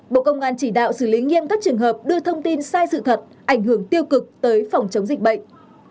bộ công an chỉ đạo xử lý nghiêm các trường hợp đưa thông tin sai sự thật ảnh hưởng tiêu cực tới phòng chống dịch bệnh